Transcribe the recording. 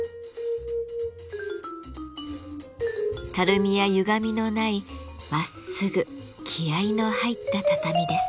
たるみやゆがみのないまっすぐ気合いの入った畳です。